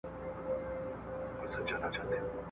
یا دي شل کلونه اچوم زندان ته ..